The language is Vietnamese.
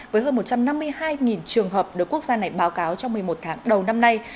với hơn một trăm năm mươi hai trường hợp được quốc gia này báo cáo trong một mươi một tháng đầu năm nay